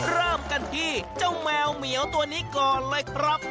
เริ่มกันที่เจ้าแมวเหมียวตัวนี้ก่อนเลยครับ